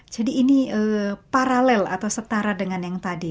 jadi ini paralel atau setara dengan yang tadi